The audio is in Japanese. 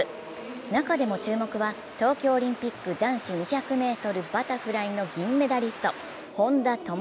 中でも注目は東京オリンピック男子２００ｍバタフライの銀メダリスト、本多灯。